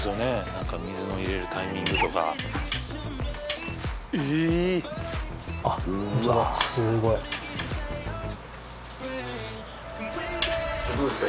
何か水の入れるタイミングとかあっホントだすごいどうですか？